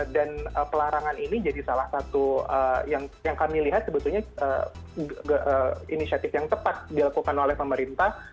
dan pelarangan ini jadi salah satu yang kami lihat sebetulnya inisiatif yang tepat dilakukan oleh pemerintah